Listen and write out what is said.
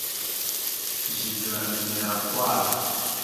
Zigla mene ara kwal.